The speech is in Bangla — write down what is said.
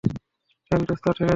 ঠেল দোস্ত, ঠেলে যা।